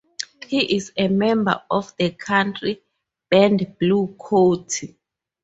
He is a member of the country band Blue County.